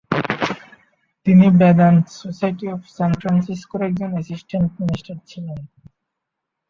তিনি Vedanta society of San ফ্রান্সিসকোর একজন অ্যাসিস্ট্যান্ট মিনিস্টার ছিলে।